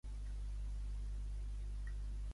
L'església està parroquial dedicada a Sant Miquel.